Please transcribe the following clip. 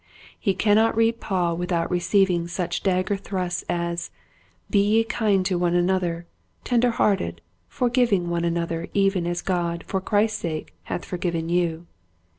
He cannot read Paul without receiving such dagger thrusts as "Be ye kind one to another, tender hearted, forgiving one another even as God for Christ's sake hath forgiven you."